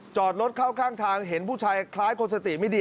จอดรถเข้าข้างทางเห็นผู้ชายคล้ายคนสติไม่ดี